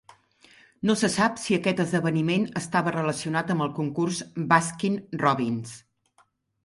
No se sap si aquest esdeveniment estava relacionat amb el concurs Baskin-Robbins.